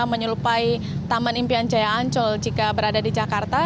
menyerupai taman impian jaya ancol jika berada di jakarta